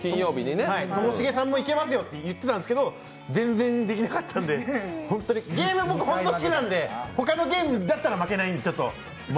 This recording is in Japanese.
ともしげさんもいけますよって言ってたんですけど、全然できなかったのでゲーム、僕、本当に好きなので、他のゲームだったら負けないので。